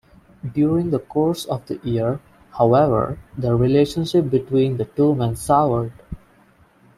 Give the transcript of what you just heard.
During the course of the year, however, the relationship between the two men soured.